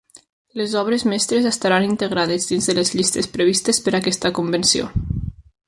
Les obres mestres estaran integrades dins de les llistes previstes per aquesta Convenció.